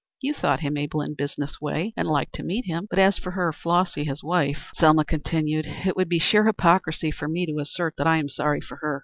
You thought him able in a business way, and liked to meet him. But as for her, Flossy, his wife," Selma continued, with a gasp, "it would be sheer hypocrisy for me to assert that I am sorry for her.